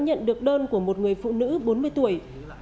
nhận được đơn của một người phụ nữ bốn mươi tuổi